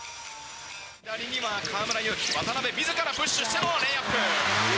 左に今、河村勇輝、渡邊みずからプッシュしてのレイアップ。